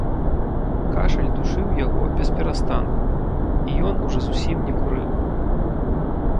Кашаль душыў яго бесперастанку, і ён ужо зусім не курыў.